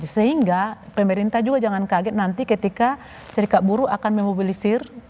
sehingga pemerintah juga jangan kaget nanti ketika serikat buruh akan memobilisir